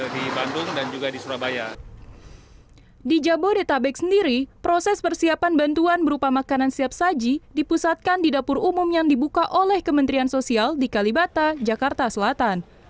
di jabodetabek sendiri proses persiapan bantuan berupa makanan siap saji dipusatkan di dapur umum yang dibuka oleh kementerian sosial di kalibata jakarta selatan